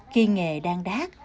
khi nghề đang đát